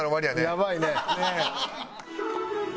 やばいね。